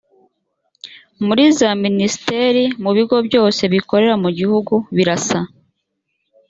muri za minisiteri mu bigo byose bikorera mu gihugu birasa